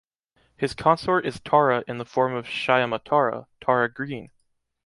His consort is Tara in the form of Shyamatara, Tara green.